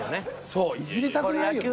そうイジりたくないよね。